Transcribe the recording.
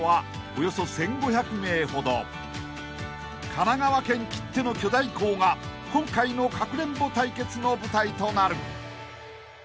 ［神奈川県きっての巨大校が今回のかくれんぼ対決の舞台となる］